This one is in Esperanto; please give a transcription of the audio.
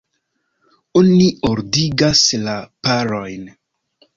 Oni ordigas la parojn.